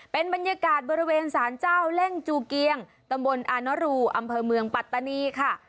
เป็นบรรยากาศบริเวณสารเจ้าเล่งจูเกียงตำบลอานรูอำเภอเมืองปัตตานีค่ะ